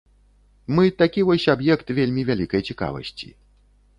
Мы такі вось аб'ект вельмі вялікай цікавасці.